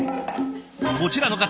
こちらの方